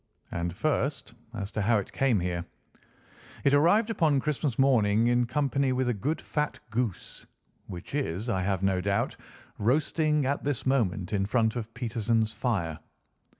And, first, as to how it came here. It arrived upon Christmas morning, in company with a good fat goose, which is, I have no doubt, roasting at this moment in front of Peterson's fire.